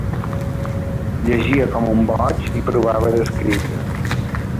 Llegia com un boig i provava d'escriure.